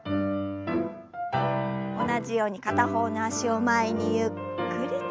同じように片方の脚を前にゆっくりと。